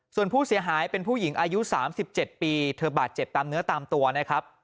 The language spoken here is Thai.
ส่วนผู้เสียหายเป็นผู้หญิงอายุ๓๗ปีเธอบาดเจ็บตามเนื้อตามตัวนะครับ